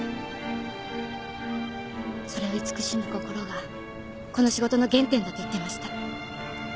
「それを慈しむ心がこの仕事の原点だ」と言ってました。